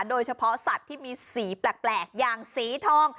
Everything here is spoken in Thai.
โดยเฉพาะสัตว์ที่มีสีแปลกอย่างสีทอง